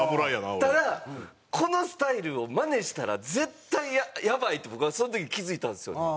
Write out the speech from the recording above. ただこのスタイルをマネしたら絶対やばいって僕はその時気付いたんですよね。